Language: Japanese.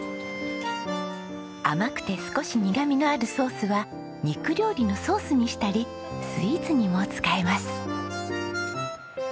甘くて少し苦みのあるソースは肉料理のソースにしたりスイーツにも使えます。